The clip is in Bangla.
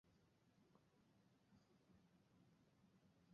কেলসেন তার জীবদ্দশায় সাংবিধানিক আদালতে নিযুক্ত হন।